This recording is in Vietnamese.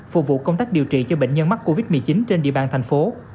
phục vụ công tác điều trị cho bệnh nhân mắc covid một mươi chín trên địa bàn thành phố